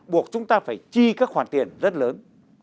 buộc chúng ta phải chi các khoản tiền rất lớn